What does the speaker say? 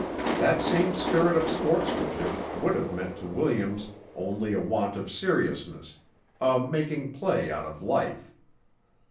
That same spirit of sportsmanship would have meant to Williams only a want of seriousness, a making play out of life.